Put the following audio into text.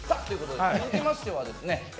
続きましてですね